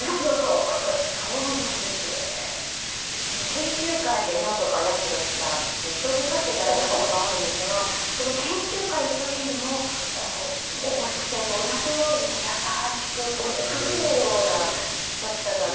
研究会で何度か八代七段に将棋を指していただいたことがあるんですがその研究会の時にも公式戦と同じように優しく慈しむような指し方で。